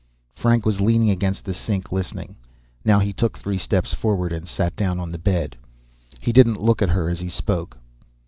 Frank was leaning against the sink, listening. Now he took three steps forward and sat down on the bed. He didn't look at her as he spoke.